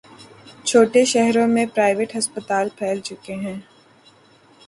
چھوٹے شہروں میں پرائیویٹ ہسپتال پھیل چکے ہیں۔